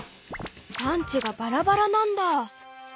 産地がバラバラなんだ！